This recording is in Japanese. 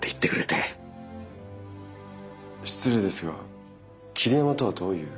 失礼ですが桐山とはどういう。